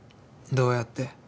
どうやって？